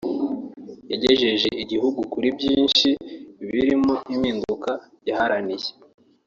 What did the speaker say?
yagejeje igihugu kuri byinshi birimo impinduka yaharaniye